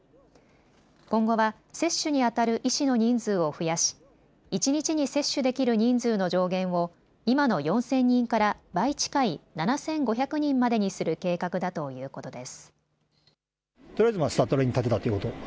今後は接種にあたる医師の人数を増やし一日に接種できる人数の上限を今の４０００人から倍近い７５００人までにする計画だということです。